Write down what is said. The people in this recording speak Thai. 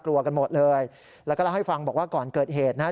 กลัวกันหมดเลยแล้วก็เล่าให้ฟังบอกว่าก่อนเกิดเหตุนะฮะ